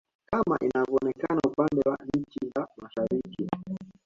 kama ilivyoonekana upande wa nchi za Mashariki